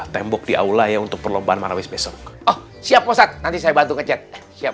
tembok di aula ya untuk perlombaan marawis besok oh siap ustadz nanti saya bantu ngecet siap